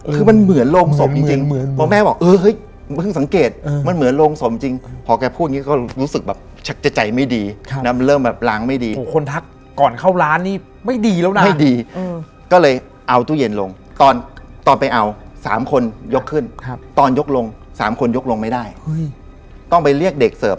คุณน้าผู้หญิงเนี่ย